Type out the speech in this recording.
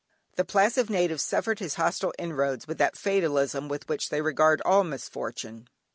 The placid native suffered his hostile inroads with that fatalism with which they regard all misfortune.